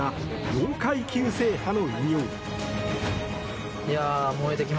４階級制覇の偉業。